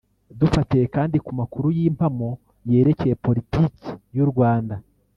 *Dufatiye kandi ku makuru y’impamo yerekeye politiki y’u Rwanda